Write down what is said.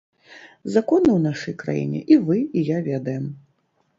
Законы ў нашай краіне і вы, і я ведаем.